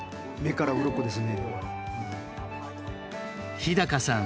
日さん